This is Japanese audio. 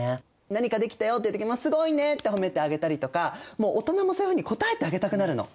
何かできたよって時も「すごいね」って褒めてあげたりとかもう大人もそういうふうに応えてあげたくなるの。